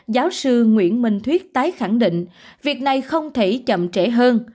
giáo sư nguyễn minh thuyết tái khẳng định việc này không thể chậm trễ hơn